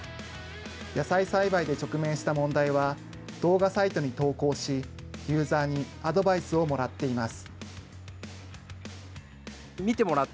野菜栽培で直面した問題は、動画サイトに投稿し、ユーザーにアドバイスをもらっています。